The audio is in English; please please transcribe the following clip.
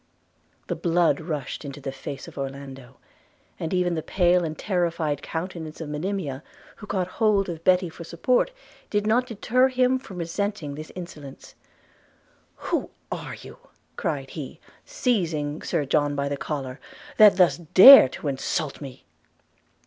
The blood rushed into the face of Orlando; and even the pale and terrified countenance of Monimia, who caught hold of Betty for support, did not deter him from resenting this insolence. 'Who are you,' cried he, seizing Sir John by the collar, 'that thus dare to insult me?'